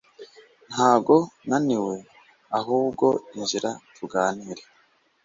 ntago naniwe ahubwo injira tuganire